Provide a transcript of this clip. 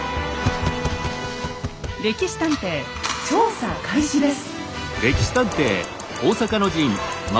「歴史探偵」調査開始です。